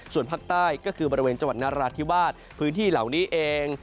ส่วนภาคใต้ก็คือบริเวณจังหวัดนราธิวาสพื้นที่เหล่านี้เอง